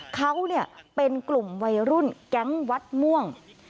เขาเป็นกลุ่มวัยรุ่นแก๊งวัดม่วง